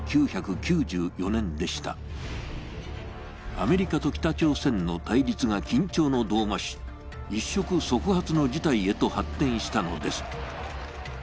アメリカと北朝鮮の対立が緊張の度を増し、一触即発の事態へと発展したのです。